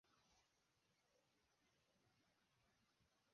Es considerado un delantero rápido que se mueve por todo el frente de ataque.